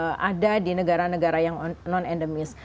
kemudian mengapa dia sampai ada di negara negara yang non endemis